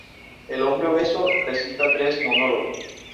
El hombre obeso recita tres monólogos.